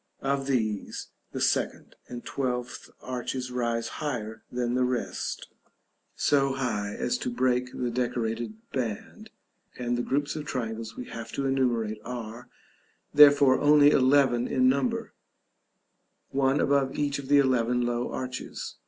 Of these, the second and twelfth arches rise higher than the rest; so high as to break the decorated band; and the groups of triangles we have to enumerate are, therefore, only eleven in number; one above each of the eleven low arches.